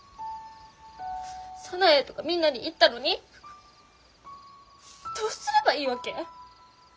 早苗とかみんなに言ったのにどうすればいいわけ？